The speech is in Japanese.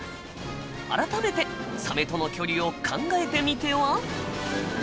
改めてサメとの距離を考えてみては？